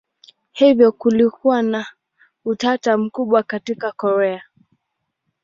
Hivyo kulikuwa na utata mkubwa katika Korea.